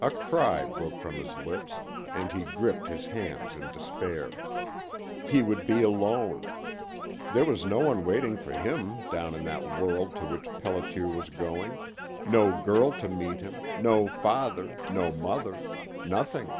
A cry broke from his lips, and he gripped his hands in despair. He would be alone. There was no one waiting for him down in that world to which Pelliter was going, no girl to meet him, no father, no mother nothing.